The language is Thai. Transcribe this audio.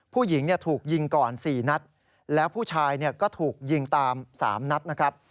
ผู้หญิงถูกยิงก่อน๔นัดแล้วผู้ชายก็ถูกยิงตาม๓นัดนะครับ